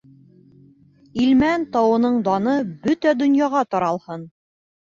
Илмән тауының даны бөтә донъяға таралһын.